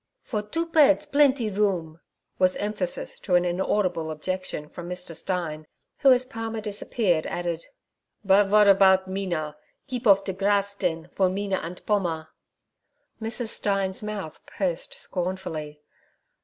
'For doo bedts plendee room' was emphasis to an inaudible objection from Mr. Stein, who, as Palmer disappeared, added: 'But vot erpout Mina? Keep off der krass, den, for Mina ant Pommer.' Mrs. Stein's mouth pursed scornfully.